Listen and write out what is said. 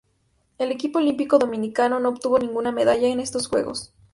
El equipo olímpico dominicano no obtuvo ninguna medalla en estos Juegos.